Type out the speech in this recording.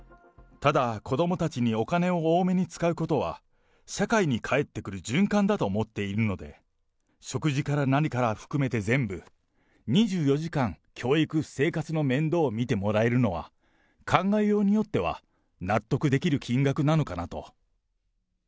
ただ、子どもたちにお金を多めに使うことは、社会に返ってくる循環だと思っているので、食事から何から含めて全部、２４時間、教育、生活の面倒を見てもらえるのは、考えようによっては、納得できる金額なのかなと。